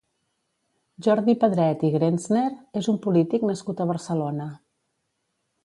Jordi Pedret i Grenzner és un polític nascut a Barcelona.